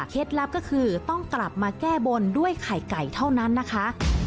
ลับก็คือต้องกลับมาแก้บนด้วยไข่ไก่เท่านั้นนะคะ